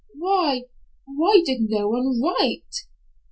Why, why did no one write?"